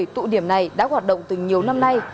bảy tụ điểm này đã hoạt động từ nhiều năm nay